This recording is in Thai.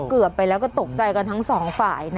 เกือบไปแล้วก็ตกใจกันทั้งสองฝ่ายนะ